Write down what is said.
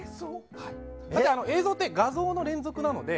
映像って、画像の連続なので。